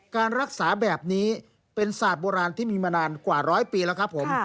การรักษาแบบนี้เป็นศาสตร์โบราณที่มีมานานกว่าร้อยปีแล้วครับผม